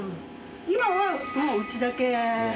今はもううちだけ。